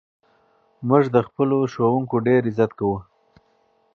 موږ د خپلو ښوونکو ډېر عزت کوو.